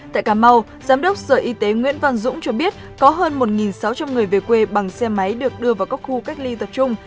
tại cà mau giám đốc sở y tế nguyễn văn dũng cho biết có hơn một sáu trăm linh người về quê bằng xe máy được đưa vào các khu cách ly tập trung